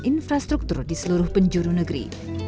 dan infrastruktur di seluruh penjuru negeri